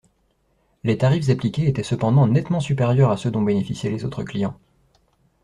Les tarifs appliqués étaient cependant nettement supérieurs à ceux dont bénéficiaient les autres clients.